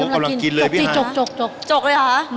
จกสิจกจกจกจกเลยหรอ